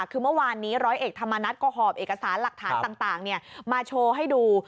คือเมื่อวานนี้ร้อยเอกธรรมนัฐก็หอบเอกสารหลักฐานต่างมาโชว์ให้ดู